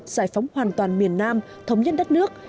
giải phóng hoàn toàn miền nam thống nhất đất nước